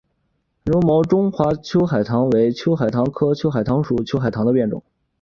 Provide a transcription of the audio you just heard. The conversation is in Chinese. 柔毛中华秋海棠为秋海棠科秋海棠属秋海棠的变种。